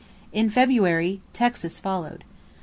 In February, Texas followed.